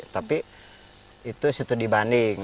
tapi itu sudah dibanding